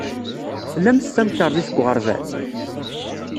Tlamt tamkarḍit deg uɣerbaz?